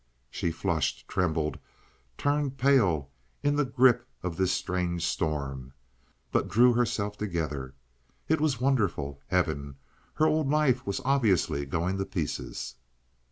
She flushed, trembled, turned pale, in the grip of this strange storm, but drew herself together. It was wonderful—heaven. Her old life was obviously going to pieces.